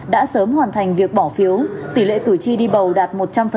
đã sớm hoàn thành việc bỏ phiếu tỷ lệ cử tri đi bầu đạt một trăm linh